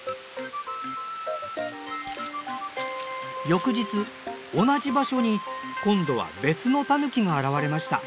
翌日同じ場所に今度は別のタヌキが現れました。